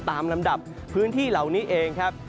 ลำดับพื้นที่เหล่านี้เองครับ